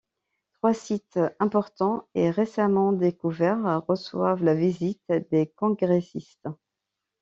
Trois sites importants et récemment découverts reçoivent la visite des congrèssistes.